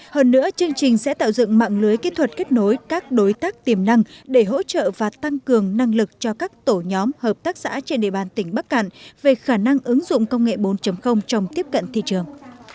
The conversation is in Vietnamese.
hơn nữa chương trình sẽ tạo dựng mạng lưới kỹ thuật kết nối các đối tác tiềm năng để hỗ trợ và tăng cường năng lực cho các tổ nhóm hợp tác xã trên địa bàn tỉnh bắc cạn về khả năng ứng dụng công nghệ bốn trong tiếp cận thị trường